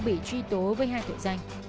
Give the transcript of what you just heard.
bị truy tố với hai tội danh